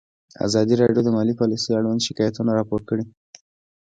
ازادي راډیو د مالي پالیسي اړوند شکایتونه راپور کړي.